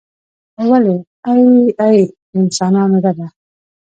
ولې ای ای د انسانانو ربه.